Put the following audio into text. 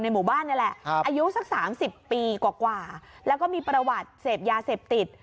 หมู่บ้านนี่แหละอายุสัก๓๐ปีกว่าแล้วก็มีประวัติเสพยาเสพติด